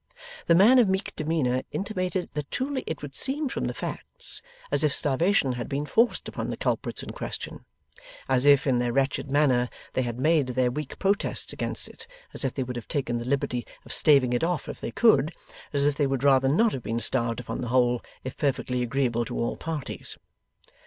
The man of meek demeanour intimated that truly it would seem from the facts, as if starvation had been forced upon the culprits in question as if, in their wretched manner, they had made their weak protests against it as if they would have taken the liberty of staving it off if they could as if they would rather not have been starved upon the whole, if perfectly agreeable to all parties.